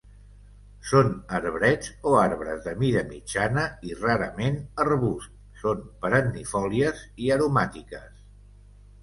Són arbrets o arbres de mida mitjana i rarament arbust, són perennifòlies i aromàtiques.